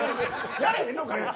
やれへんのかい。